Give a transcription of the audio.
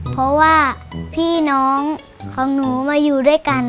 เพราะว่าพี่น้องของหนูมาอยู่ด้วยกัน